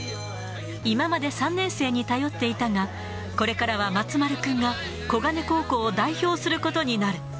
今まで３年生に頼っていたが、これからは松丸君が小金高校を代表することになる。